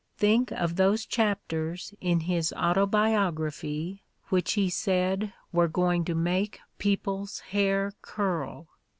Think of those chapters in his Autobiography which he said were "going to make people's hair curl."